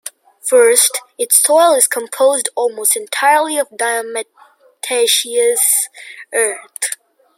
First, its soil is composed almost entirely of diatomaceous earth.